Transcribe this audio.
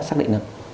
xác định được